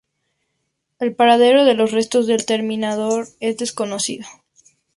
El paradero de los restos del Terminator es desconocido.